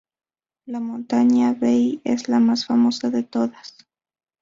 La montaña Bei, es la más famosa de todas.